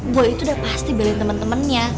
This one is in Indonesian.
boy itu udah pasti belain temen temennya